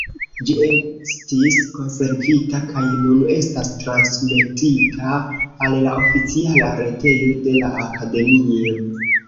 Ĝi estis konservita kaj nun estas transmetita al la oficiala retejo de la Akademio.